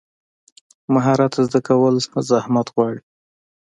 مهارت زده کول زحمت غواړي.